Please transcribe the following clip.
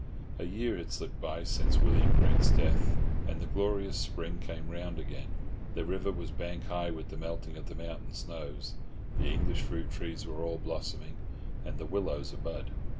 A year had slipped by since William Grant's death, and the glorious Spring came round again; the river was bank high with the melting of the mountain snows, the English fruit trees were all blossoming, and the willows a bud.